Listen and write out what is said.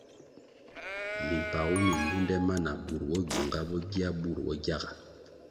Mimpagu mi lunde ma na burʼ bo gyunga bo gia burʼ bo gyaga.